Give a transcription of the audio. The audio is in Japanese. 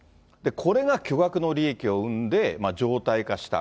これが巨額の利益を生んで、常態化した。